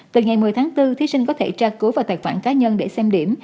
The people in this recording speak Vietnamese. từ ngày một mươi tháng bốn thí sinh có thể tra cứu vào tài khoản cá nhân để xem điểm